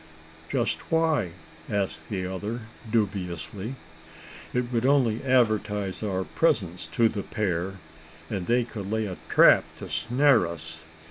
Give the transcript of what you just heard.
"Just why?" asked the other, dubiously. "It would only advertise our presence to the pair, and they could lay a trap to snare us.